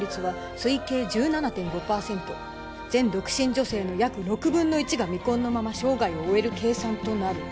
「推計１７．５％」「全独身女性の約６分の１が」「未婚のまま生涯を終える計算となる」